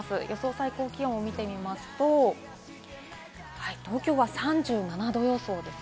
最高気温を見ていきますと、東京は３７度予想です。